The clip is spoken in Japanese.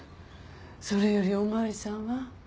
それよりお巡りさんは？